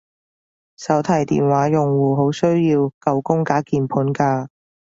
手提電話用戶好需要九宮格鍵盤㗎